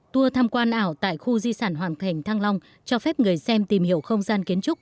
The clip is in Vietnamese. tour tham quan ảo tại khu di sản hoàng thành thăng long cho phép người xem tìm hiểu không gian kiến trúc